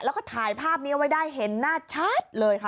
แล้วก็ถ่ายภาพนี้เอาไว้ได้เห็นหน้าชัดเลยค่ะ